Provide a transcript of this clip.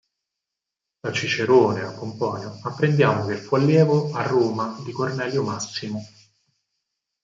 Da Cicerone e Pomponio apprendiamo che fu allievo a Roma di Cornelio Massimo.